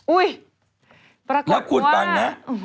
อุ้ยประกับว่าโอ้โห